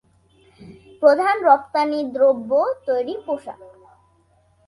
প্রধান রপ্তানিদ্রব্য তৈরি পোশাক।